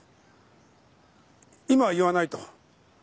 今言わないと。